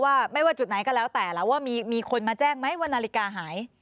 ว่าไม่ว่าจุดไหนก็แล้วแต่แล้วว่ามีคนมาแจ้งไหมว่านาฬิกาหาย